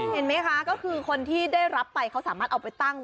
เห็นไหมคะก็คือคนที่ได้รับไปเขาสามารถเอาไปตั้ง